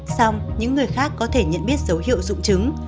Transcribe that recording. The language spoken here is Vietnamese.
xong những người khác có thể nhận biết dấu hiệu dung trứng